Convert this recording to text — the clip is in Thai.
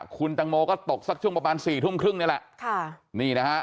คุณตังโมก็ตกสักช่วงประมาณสี่ทุ่มครึ่งนี่แหละค่ะนี่นะฮะ